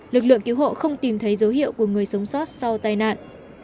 lực lượng cứu hộ không tìm thấy dấu hiệu của người sống sót sau tai nạn